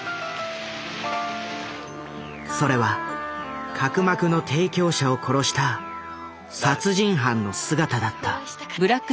それは角膜の提供者を殺した殺人犯の姿だった。